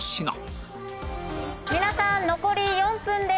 皆さん残り４分です！